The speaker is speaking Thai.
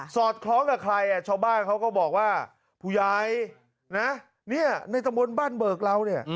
สอดคล้องกับใครชาวบ้านเขาก็บอกว่าผู้ใหญ่ในตำรวจบ้านเบิกเรา